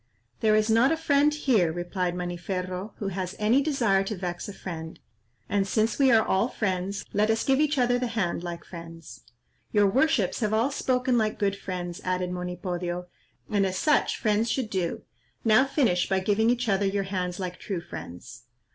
"There is not a friend here," replied Maniferro, "who has any desire to vex a friend; and since we are all friends, let us give each other the hand like friends." "Your worships have all spoken like good friends," added Monipodio, "and as such friends should do; now finish by giving each other your hands like true friends."